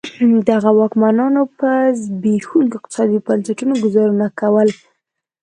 دغو واکمنانو په هغه زبېښونکو اقتصادي بنسټونو ګوزاره کوله.